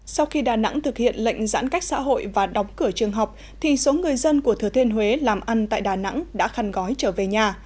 sau khi đà nẵng thực hiện lệnh giãn cách xã hội và đóng cửa trường học thì số người dân của thừa thiên huế làm ăn tại đà nẵng đã khăn gói trở về nhà